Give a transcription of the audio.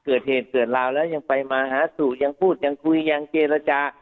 เกิดเหตุเกิดราวแล้วยังไปมาหาสู่ยังพูดยังคุยยังเจรจา